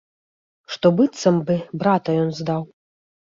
Што быццам бы брата ён здаў.